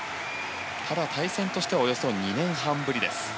ただ、対戦としてはおよそ２年半ぶりです。